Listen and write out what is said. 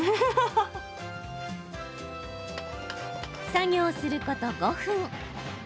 作業すること５分。